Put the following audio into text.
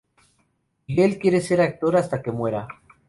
Miguel quiere ser actor hasta que muera.